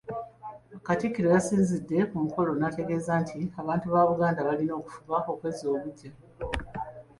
Katikkiro yasinzidde ku mukolo n’ategeeza nti abantu ba Buganda balina okufuba okwezza obuggya.